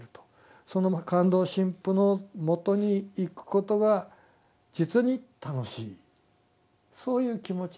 そのカンドウ神父のもとに行くことが実に楽しいそういう気持ちなんですよ。